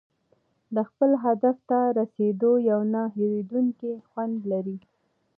د خپل هدف ته رسېدل یو نه هېریدونکی خوند لري.